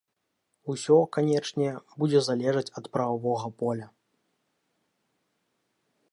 Усё, канечне, будзе залежаць ад прававога поля.